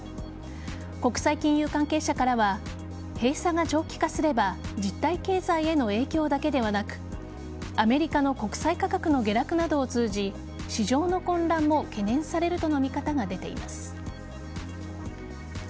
国際金融関係者からは閉鎖が長期化すれば実体経済への影響だけではなくアメリカの国債価格の下落などを通じ市場の混乱も懸念されるとの見方が出ています。